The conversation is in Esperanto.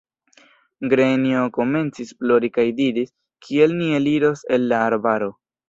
Grenjo komencis plori kaj diris: Kiel ni eliros el la arbaro!